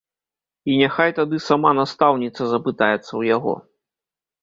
І няхай тады сама настаўніца запытаецца ў яго.